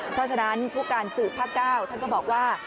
เพราะฉะนั้นผู้การสืบภาค๙ท่านก็บอกว่า